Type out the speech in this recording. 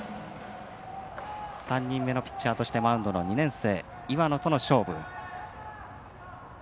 ３人目のピッチャーとしてマウンドは２年生の岩野との勝負。